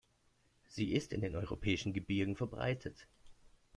Sie ist in den europäischen Gebirgen verbreitet.